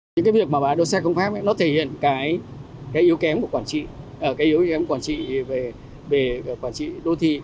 những việc bãi đỗ xe không pháp thể hiện yếu kém của quản trị đô thị